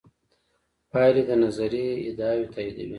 پایلې د نظریې ادعاوې تاییدوي.